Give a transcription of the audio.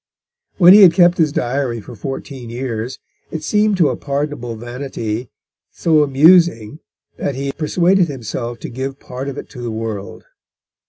When he had kept his diary for fourteen years, it seemed to a pardonable vanity so amusing, that he persuaded himself to give part of it to the world.